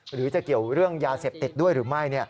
หรือจะเกี่ยวเรื่องยาเสพติดด้วยหรือไม่